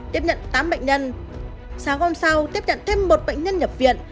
tiếp nhận tám bệnh nhân sáng hôm sau tiếp nhận thêm một bệnh nhân nhập viện